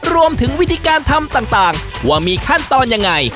รวมถึงวิธีการทำต่างว่ามีขั้นตอนยังไง